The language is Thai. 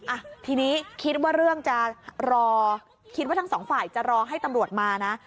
อ่ะทีนี้คิดว่าเรื่องจะรอคิดว่าทั้งสองฝ่ายจะรอให้ตำรวจมานะ